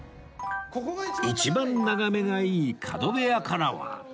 一番眺めがいい角部屋からは